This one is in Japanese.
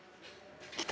来た！